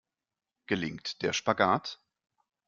Gelingt der Spagat?